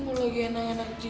boleh lagi anak anak tidur boy